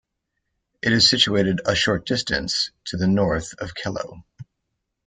It is situated a short distance to the north of Kelloe.